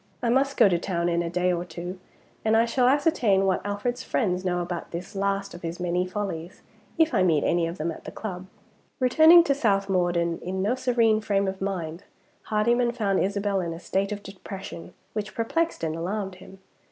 I must go to town in a day or two, and I shall ascertain what Alfred's friends know about this last of his many follies, if I meet any of them at the club." Returning to South Morden in no serene frame of mind, Hardyman found Isabel in a state of depression which perplexed and alarmed him.